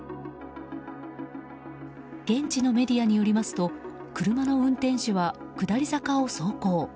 現地のメディアによりますと車の運転手は下り坂を走行。